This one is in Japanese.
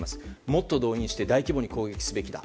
もっと動員して大規模に攻撃するべきだ。